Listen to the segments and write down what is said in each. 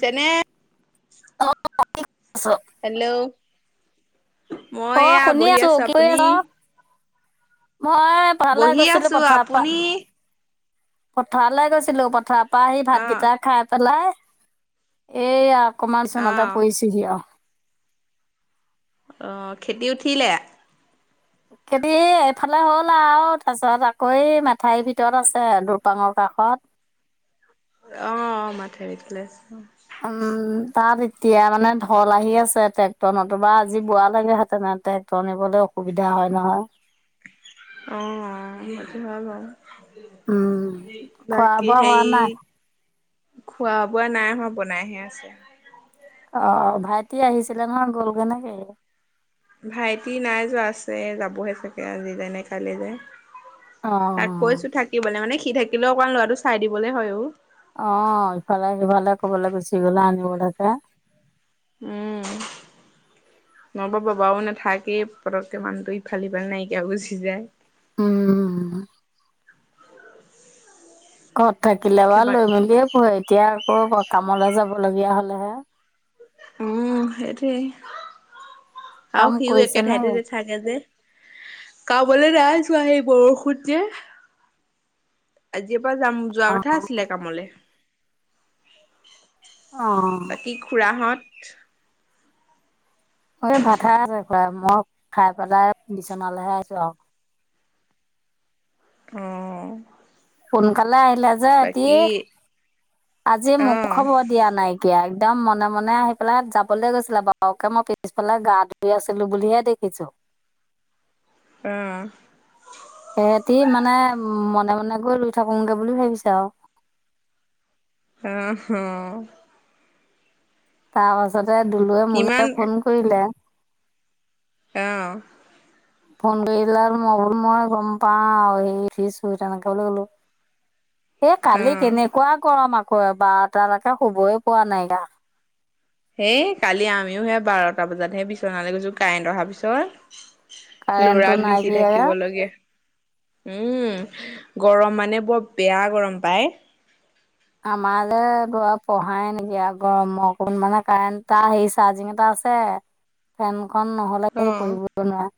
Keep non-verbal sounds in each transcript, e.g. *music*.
যেনে *inaudible* অঁ *unintelligible* আছ *inaudible* হেল্ল'! *inaudible* মই অঁ এয়া শুনি বহি আছোঁ। আছো কি কৰি আপুনি আছ? *inaudible* মই পথাৰলে বহি গৈছিলোঁ, আছো পথাৰৰ পৰা *unintelligible* আপুনি পথাৰলৈ গৈছিলোঁ। পথাৰৰ পৰা আহি অ ভাতকেইটা খাই পেলাই *unintelligible* এইয়া অকমান অ চোনতে পৰিছোহি আৰু। *unintelligible* অঁ! খেতি উঠিলে? *unintelligible* খেতি এইফালে হ'ল আৰু তাৰপিছত আকৌ এই মেথাউৰি ভিতৰত আছে দুৰপাঙৰ কাষত। *unintelligible* অঁ-অঁ! মাথাউৰিৰ ফালে আছে *inaudible* উম! তাত এতিয়া মানে ঢল আহি আছে, ট্ৰেক্টৰ নতুবা আজি বোৱা লেগেহেতেন। ট্ৰেক্টৰ নিবলৈ অসুবিধা হয় নহয়। *inaudible* অঁ-অঁ, সেইটো হয় বাৰু। *inaudible* উম, *unintelligible* খোৱা বাকী বোৱা হোৱা সেই নাই *unintelligible* খোৱা-বোৱা নাই হোৱা বনাইহে আছে। *inaudible* অ-অ! ভাইটি আহিছিলে নহয় গ'ল গে নেকি? *unintelligible* ভাইটি নাই যোৱা, আছে। যাবহে চাগে আজি যায় নে কাইলৈ যায় *unintelligible* তাক অ', কৈছোঁ থাকিবলৈ মানে সি থাকিলেও অকমান ল'ৰাটো চাই দিবলে হয় অ। *unintelligible* অঁ! ইফালে-সিফালে কৰবালৈ গুচি গলে আনিবলৈকে। *unintelligible* উম! *inaudible* *unintelligible* মই বাৰু বাবাও নাথাকেই পতকে মানুহটো ইফাল সিফাল নাইকিয়া গুচি যায়। উম! *inaudible* ঘৰত থাকিলে বাৰু লৈ কিবা মেলিয়ে পঢ়ে। এতিয়া আকৌ কামলৈ যাব লগীয়া হলেহে। *unintelligible* উম! সেইটোৱেই। *inaudible* কাম আৰু সিও কৰিছে একে নে ঠাইতে যে *unintelligible* নাথাকে যে। কামলৈ নাই যোৱা সেই বৰষুণ যে *unintelligible* আজিৰ পৰা যাম যোৱা অ কথা আছিলে কামলৈ। *unintelligible* অ *unintelligible* বাকী খুৰাহঁত? এই ভাত খাই আছে খুৰাই। মই খাই পেলাই বিচনালৈহে আহিছোঁ আৰু। *unintelligible* অঁ! *inaudible* সোনকালে আহিলে যে ৰাতি আজি মোকো আহ খাব *unintelligible* দিয়া নাই কিয়া একদম মনে-মনে আহি পেলাই যাবলৈ গৈছিলে বাৰুকে মই পিছফালে গা *unintelligible* শুই আছিলো বুলিহে দেখিছোঁ। *inaudible* উম! *unintelligible* সেহঁতি মানে উম মনে-মনে গৈ ৰুই থাকোঁগে বুলি ভাবিছে আৰু। *inaudible* উম! হুম *unintelligible* তাৰ পাছতে দুলুৱে কিমান মোলৈ ফোন কৰিলে অঁহ। ফোন কৰিলা মই বোলো মই গম পাওঁ সেই উঠিছো তেনেকে বুলি ক'লো এ কালি আহ কেনেকুৱা গৰম আকৌ এ বাৰটালৈকে শুবই পৰা নাই আক'। হেই কালি আমিও হে বাৰটা বজাতহে বিচনালৈ গৈছো কাৰেণ্ট অহাৰ পিছত। কাৰেণ্টটো লৰাক বিচি নাইকিয়া থাকিব লাগে। উম গৰম মানে বৰ বেয়া গৰম পায়। আমাৰ যে লৰা পঢ়াই নাই গৰমকৰ কাৰণে মানে কাৰেণ্ট এটা হে চাৰ্জিং এটা আ ছে ফেনখন নহ লেটো পঢ়িব অ নোৱাৰে,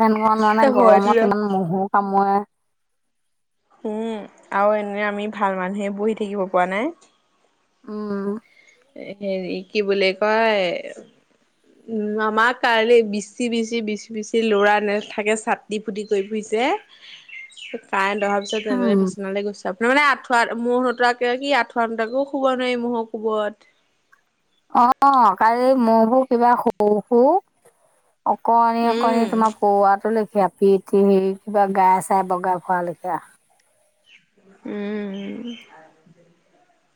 ফেনখন মানে হয়তো গৰমত ইমান মহো কামোৰে। উম আৰু এনে আমি ভাল মানুহে বহি থাকিব পৰা নাই। উম। হেৰি কি বুলি কয় *inaudible* আমাৰ কালি বিচি বিচি বিচি বিচি ল'ৰা নেথাকে চাটি ফুটি কৰি ফুৰিছে। কাৰেণ্ট অহাৰ পিছত তেনে উম বিছনালৈ গৈছো। তাৰমানে আঠুৱা মহ' নোতোৱাকে কি আঠুৱা নুতৰাকে শুব নোৱাৰি মহ'ৰ কোবত। অ কালি মহ' বোৰ কিবা সৰু সৰু। অকণি অকণি উম। তোমাৰ পৰুৱাটো লেখীয়া পি ঠি কিবা গাই চাই বগাই ফুৰা লেখীয়া। উম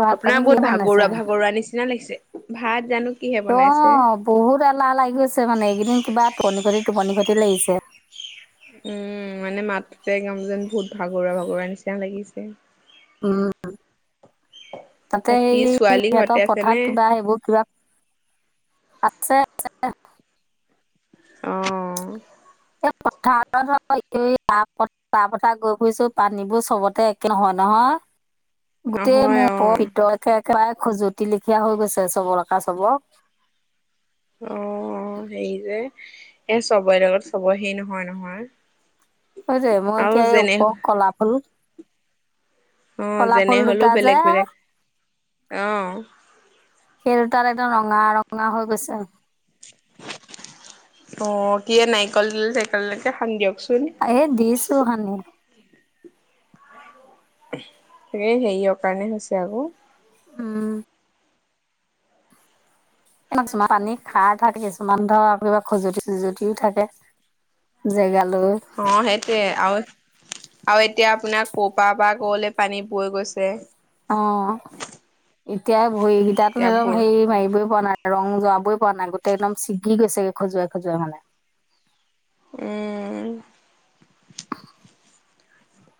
ভাত আপোনাৰ পানী কিহে বহুত বনাইছে ভাগৰুৱা ভাগৰুৱা নিচিনা লাগিছে? ভাত জানো কিহে অ বনাইছে। বহুত এলাহ লাগি গৈছে মানে এইকদিন কিবা টোপনি খতি টোপনি খতি লাগিছে। উম মানে মাতটোতে গম যেন বহুত ভাগৰুৱা ভাগৰুৱা নিচিনা লাগিছে। উম তাতে বাকী এই ছোৱালী ঘৰতে সিহঁতৰ আছে পথাৰত নে? কিবা সেইবোৰ কিবা আছে আছে। অঁ। এই পথাৰত *unintelligible* পথাৰে পথাৰে ঘূৰি ফুৰিছো পানীবোৰ চবতে একে নহয় নহয়। গোটেই নহয় মোৰ অ', ওপৰলৈকে একে প্ৰায় খজুৱতি লেখীয়া হৈ গৈছে চবলকা চবক। অঁ অঁ সেৰি যে এ চবৰে লগত চবৰে সে নহয় নহয়। সেইটোৱে মই আৰু এতিয়া এই যেনে ওপৰ কলাফুল অঁ যেনে হলেও বেলেগ যে বেলেগ, অঁ। সেই দুটাত একদম ৰঙা ৰঙা হৈ গৈছে। অ কিয়ে নাৰিকল তেল চাৰিকল তেলকে সানি দিয়কচোন। এ দিছো সানি। এই হেৰিয়ৰ কাৰণে হৈছে আকৌ উম। কিছুমান পানী খাৰ থাকে কিছুমান ধৰ কিবা খজুৱতি চুঁজুতিও থাকে। জেগা লৈও। অঁ সেইটোৱে আৰু আৰু এতিয়া আপোনাৰ কৰ পৰা বা কলে পানী বৈ গৈছে। অঁ এতিয়া ভৰিকেইটাতো এতিয়া একদম বোৰ হেৰি মাৰিবই পৰা নাই ৰং যোৱাবই পৰা নাই গোটেই একদমি ছিগি গৈছে খজুৱাই খজুৱাই মানে। উমম।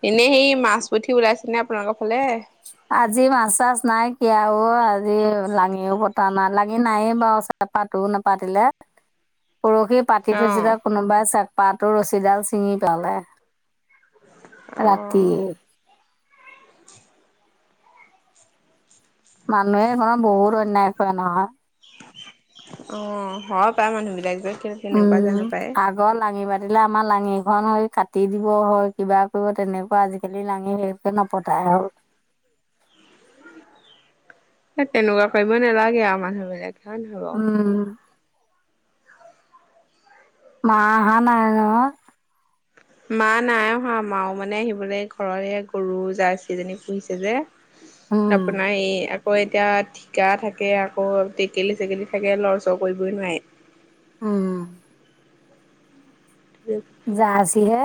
এনেই সেই মাছ পুঠি ওলাইছেনে আপোনালোকৰ ফালে? আজি মাছ- চাছ নাইকিয়া অও আজি লাঙিও পতা নাই। লাঙি নাইয়ে বাৰু চে চেপাটো নেপাতিলে। পৰহি পাতি থৈছিলে। অ', কোনোবাই চেপাটোৰ ৰছীডাল ছিঙি পেলালে। ৰাতি। অ', মানুহে ঘৰত বহুত অন্যায় কৰে নহয়। অঁ, হয় পাই মানুহ বিলাক যে কি তেনেকুৱা জানো পায়? ঘৰত লাঙি পাতিলে আমাৰ লাঙিখন হে কাটি দিব। হয়, কিবা কৰিব তেনেকুৱা আজি-কালি লাঙি সেই এ নপতাই হ'ল। তেনেকুৱা কৰিব নালাগে আও মানুহ বিলাকে। হয় নহয় বাও? উম। মা অহা নাই নহয়। মা নাই অহা। মাও মানে আহিবলে ঘৰৰ এ গৰু জাৰ্চি জনি পুঁহিছে যে। উম, আপোনাৰ এইয়া আকৌ এতিয়া ঠিকা থাকে। আকৌ টেকেলি- চেকেলি থাকে লৰ- চৰ কৰিবই নোৱাৰে। উম। উম। জাৰ্ছিহে।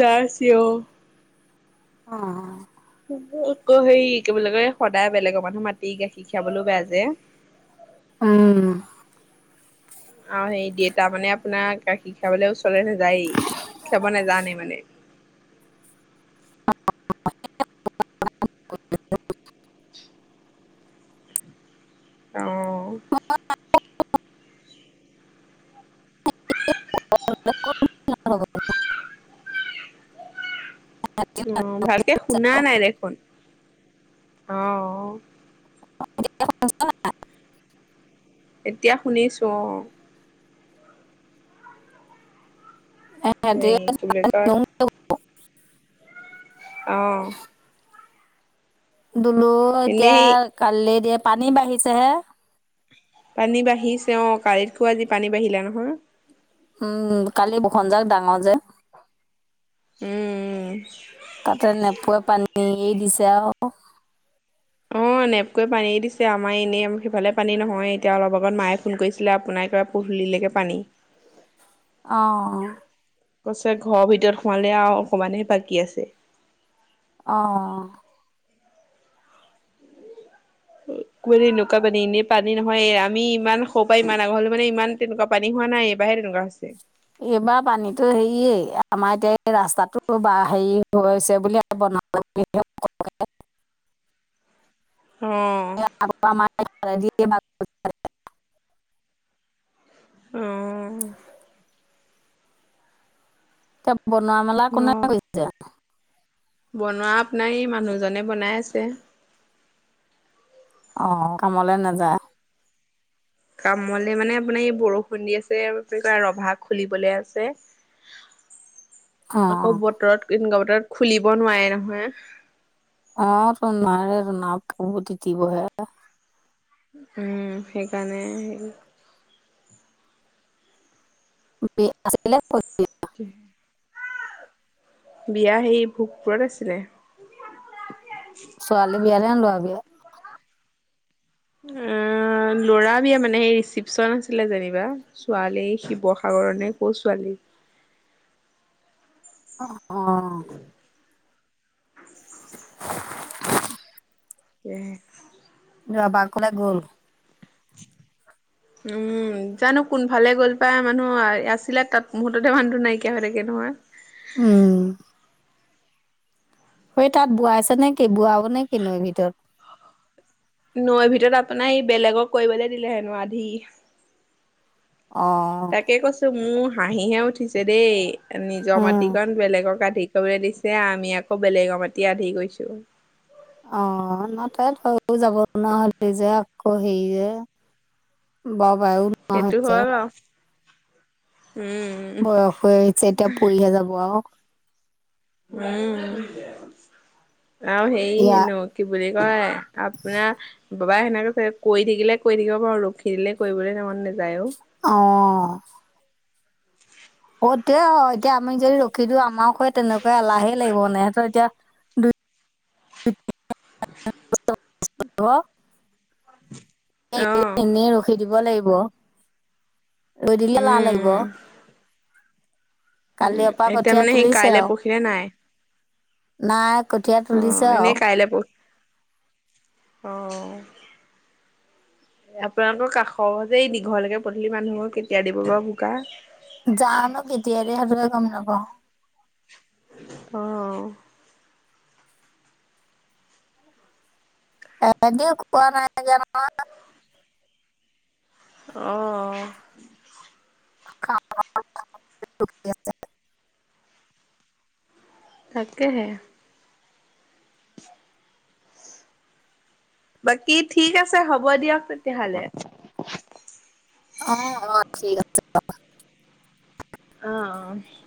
জাৰ্ছি অ। অঁ--হ। মোক ক' হেৰি, কি বুলি কয়? সদায় বেলেগৰ মানুহ মাতি গাখীৰ খীৰাবলৈও বেয়া যে। উউম। আৰু হেৰি দেউতা মানে আপোনাৰ গাখীৰ খিয়াবলে ওচৰলে নেযায়েই, খিয়াব নোজানে মানে। গাঁৱত - *unintelligible* *unintelligible* অঁ ভালকে শুনা নাই দেখোন? অঁঅ অঁ এতিয়া শুনিছা নাই? এতিয়া শুনিছোঁ অঁ। সিহঁতি হেৰি, কি বুলি কয়? অঁ দুলুৱ এতিয়া এনেই কালি দিয়ে, পানী বাঢ়িছেহে। পানী বাঢ়িছে অঁ। কালিতকো আজি পানী বাঢ়িলে নহয়। উম কালি বৰষুণজাক ডাঙৰ যে। উম, উম। তাতে নেপুৱে পানী এৰিদিছে আৰু। অঁ, নেপকুৱে পানী এৰিদিছে আমাৰ এনেই আম্ সেইফালে পানী নহয়। এতিয়া অলপ আগত মায়ে ফোন কৰিছিলে আপোনাৰ কিবা পদুলিলৈকে পানী। অঁ অ। কৈছে, '' ঘৰৰ ভিতৰত সোমাবলে আৰু অকমানে বাকী আছে। অঁ অ। কোনোদিন এনেকুৱা পানী এনেই পানী নহয়েই। আমি ইমান সৰুপৰা ইমান ডাঙৰ হ'লো মানে ইমান তেনেকুৱা পানী হোৱা নাই এইবাৰহে তেনেকুৱা হৈছে। এইবাৰ পানীতো হেৰিয়ে আমাৰ এতিয়া এই ৰাস্তাটো বা হেৰি হৈছে বুলিয়ে *unintelligible* উম। *unintelligible* উম। বনোৱা মেলা অ', কোনে অ'। কৰিছে? বনোৱা আপোনাৰ এই মানুহজনে বনাই আছে। অৱ কামলে নাযা। কামলে মানে আপোনাৰ এই বৰষুণ দি আছে কি কয় ৰভা খুলিবলৈ আছে। *inaudible* আকৌ অঁ বতৰত এনেকুৱা বতৰত খুলিব নোৱাৰে নহয়। অৱ তু নোৱাৰে আকৌ তিতিবহে। উম সেইকাৰণে। *inaudible* কি? বিয়া সেই ভোগপুৰত আছিলে। ছোৱালী বিয়া নে ল'ৰা বিয়া? এৱ ল'ৰা বিয়া মানে এই চিপচন আছিলে যেনিবা। ছোৱালী শিৱসাগৰ নে কৰ ছোৱালী। অৱ। ইয়েছ। ৰবা কলে গ'ল। *unintelligible* উম জানো কোনফালে গ'ল পাই মানুহ আছিলে তাত মুহূৰ্তহে মানুহটো নাইকিয়া হৈ থাকে নহয়। উম। সেই তাত বোৱাইছে নে কি বোৱাব নেকি নৈ ভিতৰত? নৈৰ ভিতৰত আপোনাৰ সি বেলেগক কৰিবলে দিলে হেনো আধি। অঁ তাকে কৈছো মোৰ হাঁহিহে উঠিছে দেই। নিজৰ উম মাটিকণ বেলেগক আধি কৰিবলৈ দিছে, আমি আকৌ বেলেগৰ মাটি আধি কৰিছোঁ। অৱ ন তাত যাব নহ'লে যে আকৌ হেৰি যে। বৰ বাইউট। সেইটো হয় বাও উম। বয়স হৈ আহিছে এতিয়া পৰিহে যাব আও। উম আৰু সেই ইয়া হেনু কি বুলি কয় আপোনাৰ বাবাই সেনেকে কয় কৰি থাকিলে কৰি থাকিব পাৰো ৰখি দিলে কৰিবলৈ ত মন নাযায়ও অ। অৱ। অ তেওঁ এতিয়া আমি যদি ৰখি দিওঁ আমাৰ সেই তেনেকুৱা এলাহে লাগিব নে সিহঁতৰ এতিয়া দুই *unintelligible* *inaudible* এনে ৰখি দিব লাগিব ৰই দিলে লা লাগিব। উম উম, কালিৰ পৰা এতিয়া কঠীয়া মানে সেই তুলিছে কাইলে আৰু পখিলে নাই। নাই কঠীয়াত অৱ এনেই কাইলৈ পখিলে, অৱ আপোনালোকৰ কাষৰ যে এই দীঘৰলৈকে পদূলি মানুহ কেতিয়া দিব বাৰু বোকা জানো কেতিয়া দিয়ে সেইবিলাক গম নাপাওঁ। অঁ *inaudible* ভাল *unintelligible* এনেই একো কোৱা নাই যে মই *unintelligible* অ-অ *unintelligible* *unintelligible* তাকেহে। *inaudible* বাকী ঠিক আছে, হ'ব দিয়ক তেতিয়াহলে। *inaudible* অঁ-অঁ, ঠিক আছে বাৰু। *unintelligible* অঁ-অঁ! *unintelligible*